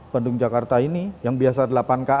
bandung jakarta ini yang biasa delapan ka